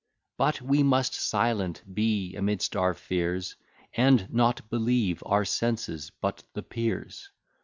But we must silent be, amidst our fears, And not believe our senses, but the Peers.